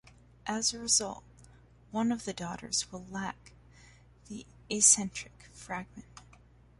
As a result, one of the daughters will lack the acentric fragment.